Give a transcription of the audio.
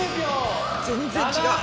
全然違う。